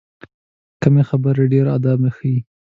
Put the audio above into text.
کمې خبرې، ډېر ادب ښیي.